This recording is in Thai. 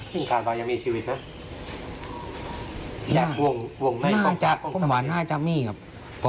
หลุงขันไว้ยังมีชีวิตหรือนะเราหน้าจากโรงบันน่าจะมีครับ